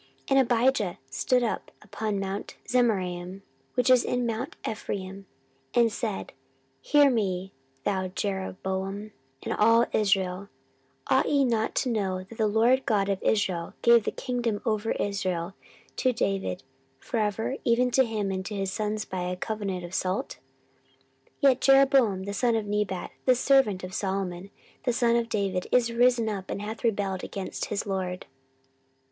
14:013:004 And Abijah stood up upon mount Zemaraim, which is in mount Ephraim, and said, Hear me, thou Jeroboam, and all Israel; 14:013:005 Ought ye not to know that the LORD God of Israel gave the kingdom over Israel to David for ever, even to him and to his sons by a covenant of salt? 14:013:006 Yet Jeroboam the son of Nebat, the servant of Solomon the son of David, is risen up, and hath rebelled against his lord.